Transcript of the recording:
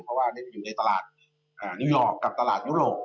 เพราะว่าจะอยู่ในตลาดนิวยอร์กกับตลาดยุโรป